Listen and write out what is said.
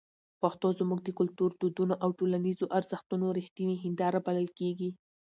پښتو زموږ د کلتور، دودونو او ټولنیزو ارزښتونو رښتینې هنداره بلل کېږي.